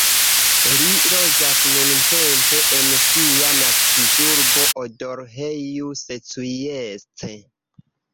Li loĝas nuntempe en sia naskiĝurbo, Odorheiu Secuiesc.